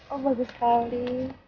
oh bagus sekali